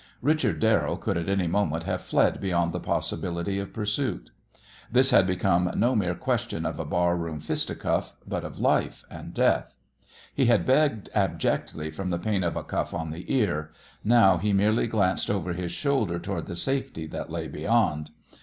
Richard Darrell could at any moment have fled beyond the possibility of pursuit. This had become no mere question of a bar room fisticuff, but of life and death. He had begged abjectly from the pain of a cuff on the ear; now he merely glanced over his shoulder toward the safety that lay beyond.